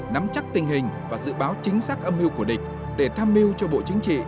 nắm chắc tình hình và dự báo chính xác âm mưu của địch để tham mưu cho bộ chính trị